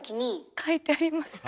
書いてありました。